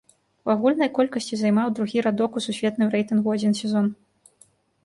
У агульнай колькасці займаў другі радок у сусветным рэйтынгу адзін сезон.